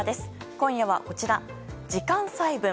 今夜はこちら、時間細分。